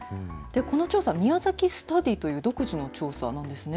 この調査、宮崎スタディという独自の調査なんですね。